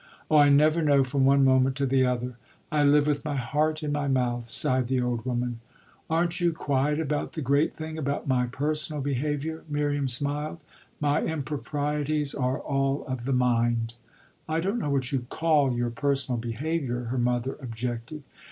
"Oh I never know from one moment to the other I live with my heart in my mouth," sighed the old woman. "Aren't you quiet about the great thing about my personal behaviour?" Miriam smiled. "My improprieties are all of the mind." "I don't know what you call your personal behaviour," her mother objected.